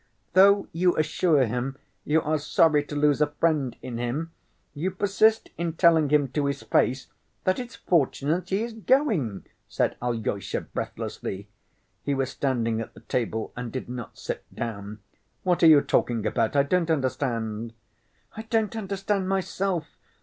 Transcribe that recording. "Though you assure him you are sorry to lose a friend in him, you persist in telling him to his face that it's fortunate he is going," said Alyosha breathlessly. He was standing at the table and did not sit down. "What are you talking about? I don't understand." "I don't understand myself....